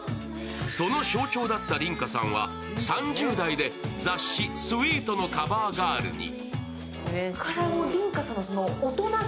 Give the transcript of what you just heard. その象徴だった梨花さんは３０代で雑誌「Ｓｗｅｅｔ」のカバーガールに。